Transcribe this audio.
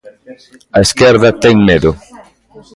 A esquerda ten medo.